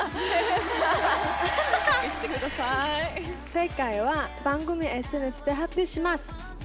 正解は番組ＳＮＳで発表します。